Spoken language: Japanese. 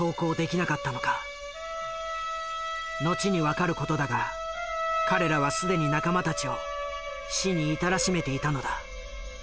後に分かる事だが彼らは既に仲間たちを死に至らしめていたのだ。